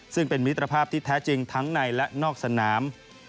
ซึ่งเป็นมิตรภาพที่แท้จริงทั้งในและนอกสนาม